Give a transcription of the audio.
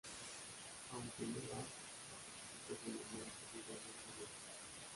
Aunque Eneas sí que se enamora perdidamente de ella.